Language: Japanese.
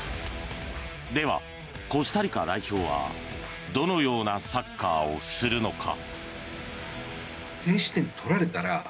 では、コスタリカ代表はどのようなサッカーをするのか。